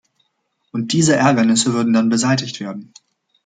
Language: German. Und diese Ärgernisse würden dann beseitigt werden!